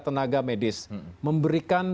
tenaga medis memberikan